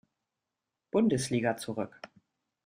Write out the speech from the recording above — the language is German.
Bundesliga zurück.